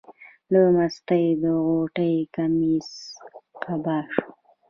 له مستۍ د غوټۍ قمیص قبا شو.